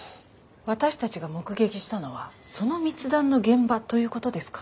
私たちが目撃したのはその密談の現場ということですか？